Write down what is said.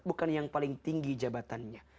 bukan yang paling tinggi jabatannya